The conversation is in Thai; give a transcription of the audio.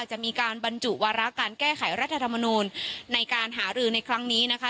จะมีการบรรจุวาระการแก้ไขรัฐธรรมนูลในการหารือในครั้งนี้นะคะ